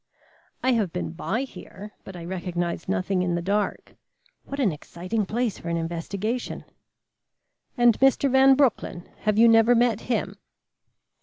"I have been by here, but I recognized nothing in the dark. What an exciting place for an investigation!" "And Mr. Van Broecklyn? Have you never met him?"